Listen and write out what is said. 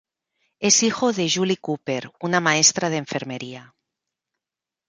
Es hijo de Julie Cooper, una maestra de enfermería.